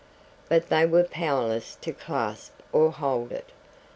But they were powerless to clasp or hold it.